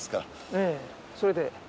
ええそれで。